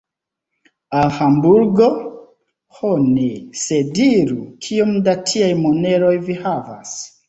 Al Hamburgo? Ho ne; sed diru, kiom da tiaj moneroj vi havas.